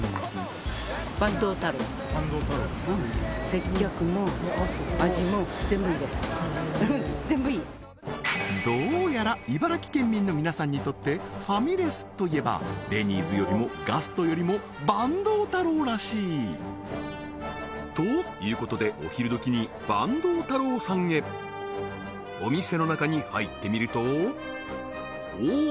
ばんどう太郎うんへえ全部いいどうやら茨城県民の皆さんにとってファミレスといえばデニーズよりもガストよりもばんどう太郎らしいということでお昼どきにばんどう太郎さんへお店の中に入ってみるとおお！